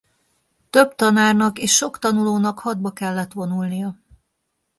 Több tanárnak és sok tanulónak hadba kellett vonulnia.